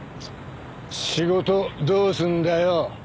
仕事どうすんだよ？